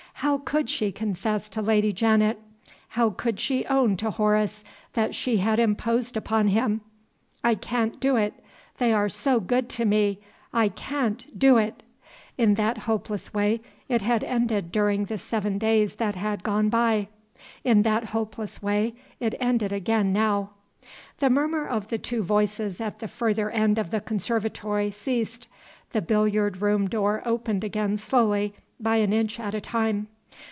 How could she confess to Lady Janet? how could she own to Horace that she had imposed upon him? "I can't do it. They are so good to me I can't do it!" In that hopeless way it had ended during the seven days that had gone by. In that hopeless way it ended again now. The murmur of the two voices at the further end of the conservatory ceased. The billiard room door opened again slowly, by an inch at a time.